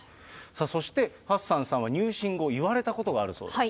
そしてハッサンさんは入信後、言われたことがあるそうです。